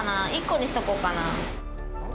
１個にしとこうかなぁ。